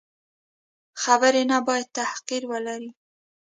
خبرې نه باید تحقیر ولري.